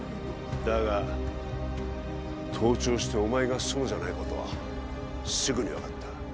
だが盗聴してお前がそうじゃないことはすぐに分かった